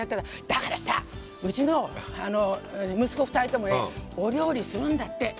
だからさ、うちの息子２人ともお料理するんだって。